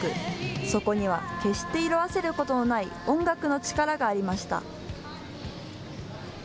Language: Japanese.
そこには決して色あせることのない音楽の力がありました。